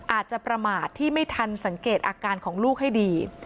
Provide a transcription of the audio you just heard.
อาจจะประมาทที่ไม่ทันสังเกตอาการของลูกให้ดี